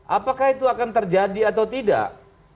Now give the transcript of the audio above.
apakah itu akan terjadi atau tidak